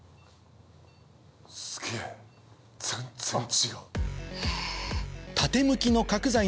すげぇ全然違う。